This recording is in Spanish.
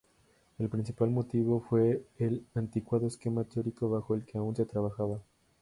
El principal motivo fue el anticuado esquema teórico bajo el que aún se trabajaba.